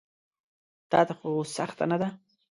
تاته خو سخته نه ده.